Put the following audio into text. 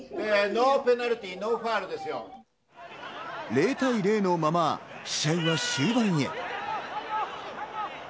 ０対０のまま、試合は終盤へ。